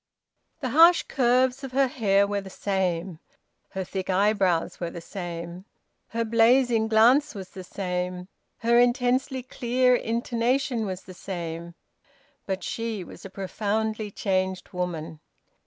The harsh curves of her hair were the same. Her thick eyebrows were the same. Her blazing glance was the same. Her intensely clear intonation was the same. But she was a profoundly changed woman.